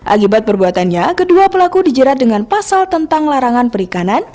akibat perbuatannya kedua pelaku dijerat dengan pasal tentang larangan perikanan